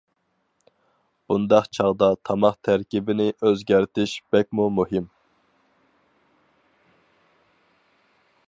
بۇنداق چاغدا تاماق تەركىبىنى ئۆزگەرتىش بەكمۇ مۇھىم.